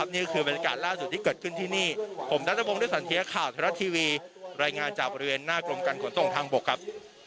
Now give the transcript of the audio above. นี่คือบรรยากาศล่าสุดที่เกิดขึ้นที่นี่ผมนัทพงศ์ด้วยสันเทียข่าวไทยรัฐทีวีรายงานจากบริเวณหน้ากรมการขนส่งทางบกครับ